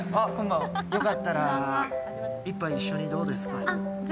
よかったら１杯一緒にどうですか。